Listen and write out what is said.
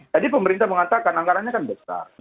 jadi pemerintah mengatakan anggarannya kan besar